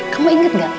kamu inget gak